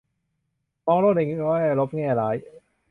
มองโลกในแง่ลบแง่ร้าย